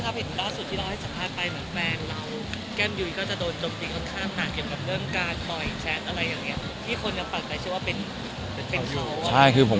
คุณสัมผัสดีครับ